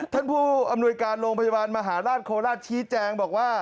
ท่านผู้อำนวยการโรงพยาบาลมหาราชโคราชชี้แจงบอกว่า